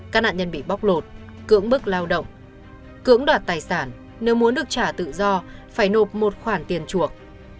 các nạn nhân bị bóc lột cưỡng bức lao động cưỡng đoạt tài sản nếu muốn được trả tự do phải nộp một khoản tiền chuộc